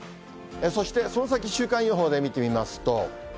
そして、その先、週間予報で見てみますと。